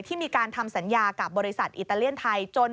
มีการทำสัญญากับบริษัทอิตาเลียนไทย